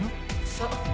そう。